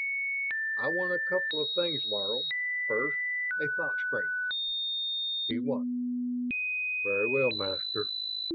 "I want a couple of things, Laro. First, a thought screen." He won! "Very well, Master.